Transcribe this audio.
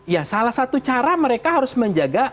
ya salah satu cara mereka harus menjaga